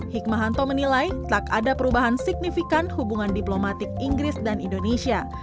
hikmahanto menilai tak ada perubahan signifikan hubungan diplomatik inggris dan indonesia